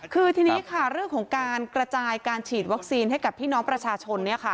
คือทีนี้ค่ะเรื่องของการกระจายการฉีดวัคซีนให้กับพี่น้องประชาชน